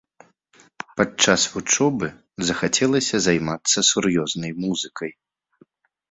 Падчас вучобы захацелася займацца сур'ёзнай музыкай.